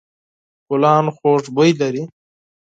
ګلان خوږ بوی لري.